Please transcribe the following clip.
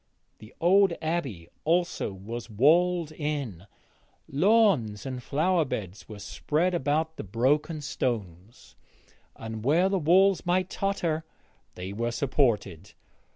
The old Abbey also was walled in; lawns and flower beds were spread about the broken stones, and where the walls might totter they were supported.